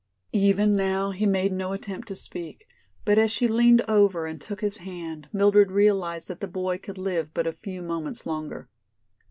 Even now he made no attempt to speak, but as she leaned over and took his hand Mildred realized that the boy could live but a few moments longer.